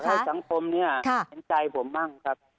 ผมจะอยากให้สังคมที่เป็นใจผมบ้างครับ